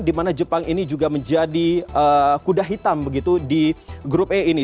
di mana jepang ini juga menjadi kuda hitam begitu di grup e ini